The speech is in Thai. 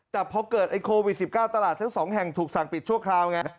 แต่พอเกิดไอ้โควิด๑๙ตลาดทั้ง๒แห่งถูกสั่งปิดชั่วคราวไง